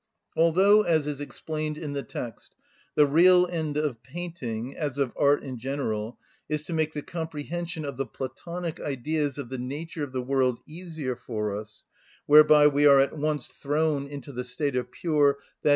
Although, as is explained in the text, the real end of painting, as of art in general, is to make the comprehension of the (Platonic) Ideas of the nature of the world easier for us, whereby we are at once thrown into the state of pure, _i.